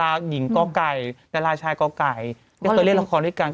อันนี้ตามถามครับครับ